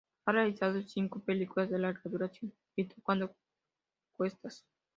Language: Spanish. Ha realizado cinco películas de larga duración: "¿Y tú cuánto cuestas?